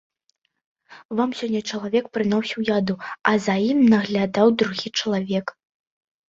Вам сёння чалавек прыносіў яду, а за ім наглядаў другі чалавек.